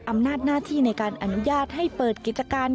อำนาจหน้าที่ในการอนุญาตให้เปิดกิจการ